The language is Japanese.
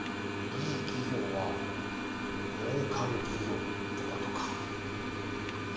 いい企業はもうかる企業ってことか。